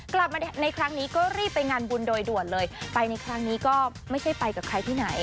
กลับมาในครั้งนี้ก็รีบไปงานบุญโดยด่วนเลยไปในครั้งนี้ก็ไม่ใช่ไปกับใครที่ไหน